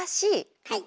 はい！